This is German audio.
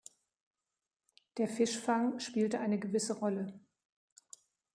Der Fischfang spielte eine gewisse Rolle.